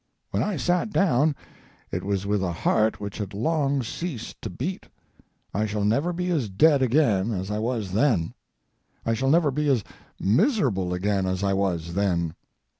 When I sat down it was with a heart which had long ceased to beat. I shall never be as dead again as I was then. I shall never be as miserable again as I was then.